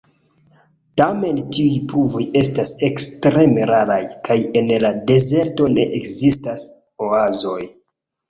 Tamen tiuj pluvoj estas ekstreme raraj, kaj en la dezerto ne ekzistas oazoj.